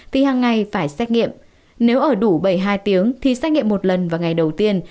thì hằng ngày phải xách nghiệm nếu ở đủ bảy mươi hai tiếng thì xách nghiệm một lần vào ngày đầu tiên